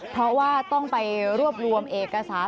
เพราะว่าต้องไปรวบรวมเอกสาร